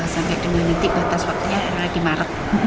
sampai dengan nanti batas waktunya adalah di maret